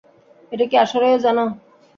এটা কী আসলেও জানো?